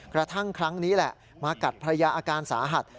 กระทั่งครั้งนี้แหละมากัดภรรยาอาการสาหัส